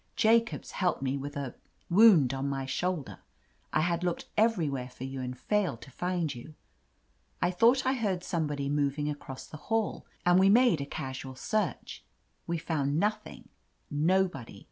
Jacobs helped me with a — ^wound on my shoulder. I had looked everywhere for you and failed to find you. I thought I heard somebody moving across the hall, and we made a casual search. We found nothing, nobody.